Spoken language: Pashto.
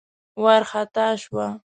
وار خطا شوه.